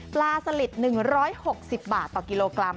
ปลาสลิด๑๖๐บาทต่อกิโลกรัม